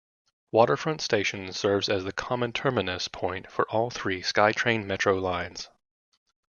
Waterfront station serves as the common terminus point for all three SkyTrain metro lines.